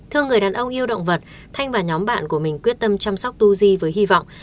thương người đàn ông yêu động vật thanh và nhóm bạn của mình quyết tâm chăm sóc tu di với hy vọng